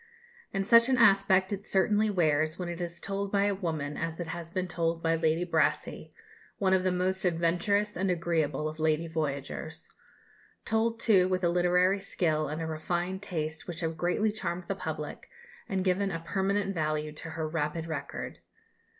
And such an aspect it certainly wears when it is told by a woman, as it has been told by Lady Brassey, one of the most adventurous and agreeable of lady voyagers. Told, too, with a literary skill and a refined taste which have greatly charmed the public, and given a permanent value to her rapid record.